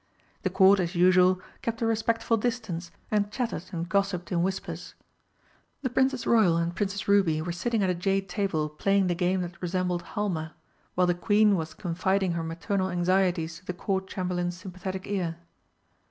The Court as usual kept a respectful distance and chattered and gossiped in whispers. The Princess Royal and Princess Ruby were sitting at a jade table playing the game that resembled Halma, while the Queen was confiding her maternal anxieties to the Court Chamberlain's sympathetic ear.